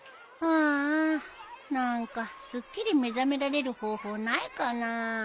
ああ何かすっきり目覚められる方法ないかな。